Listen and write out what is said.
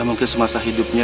ya mungkin semasa hidupnya